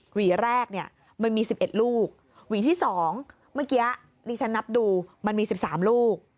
หวีแรกเนี่ยมันมี๑๑ลูกหวีที่๒เมื่อกี้ดิฉันนับดูมันมี๑๓ลูก